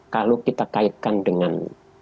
kalau kita kaitkan dengan